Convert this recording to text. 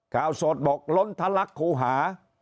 ข่าวสดบอกล้นทะลักครูหา